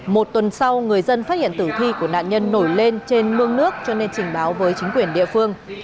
một tuần sau người dân phát hiện tử thi của nạn nhân nổi lên trên mương nước cho nên trình báo với chính quyền địa phương